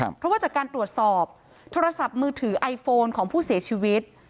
เพราะว่าจากการตรวจสอบโทรศัพท์มือถือไอโฟนของผู้เสียชีวิต